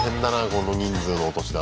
この人数のお年玉。